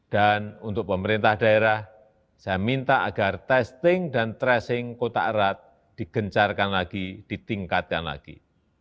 dan untuk pemerintah daerah saya minta agar testing dan tracing kota erat digencarkan lagi ditingkatkan lagi